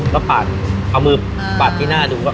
ก็ปาดเอามือปาดที่หน้าดู